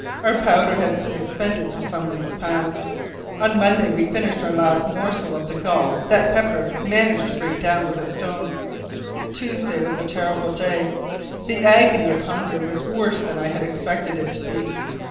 Our powder has been expended for some weeks past. On Monday we finished our last morsel of the gull that Pepper managed to bring down with a stone. Tuesday was a terrible day. The agony of hunger was worse than I had expected it to be.